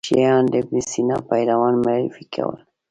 شیعیان د ابن سبا پیروان معرفي کول.